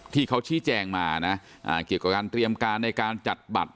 ที่เขาชี้แจงมานะเกี่ยวกับการเตรียมการในการจัดบัตร